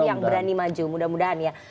yang berani maju mudah mudahan ya